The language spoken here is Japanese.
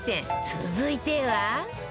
続いては